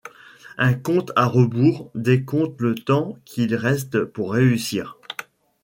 Un compte à rebours décompte le temps qu'il reste pour réussir.